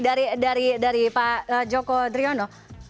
dari pak joko deriono